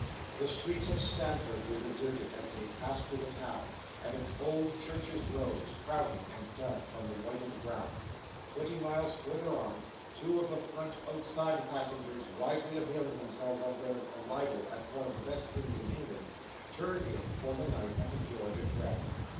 The streets of Stamford were deserted as they passed through the town; and its old churches rose, frowning and dark, from the whitened ground. Twenty miles further on, two of the front outside passengers, wisely availing themselves of their arrival at one of the best inns in England, turned in, for the night, at the George at Grantham.